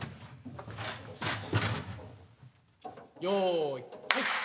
よいはい！